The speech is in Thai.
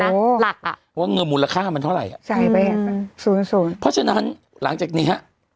หลักอะเพราะว่าเงินมูลค่ามันเท่าไรใช่ปะสูญสูญเพราะฉะนั้นหลังจากนี้ฮะ